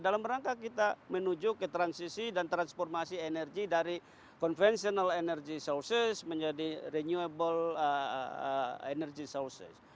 dalam rangka kita menuju ke transisi dan transformasi energi dari conventional energy sources menjadi renewable energy sources